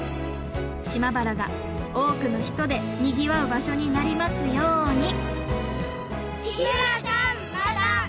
島原が多くの人でにぎわう場所になりますように。